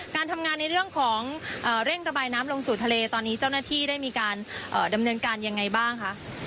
การทำงานในเรื่องของเร่งระบายน้ำลงสู่ทะเลตอนนี้เจ้าหน้าที่ได้มีการดำเนินการยังไงบ้างคะ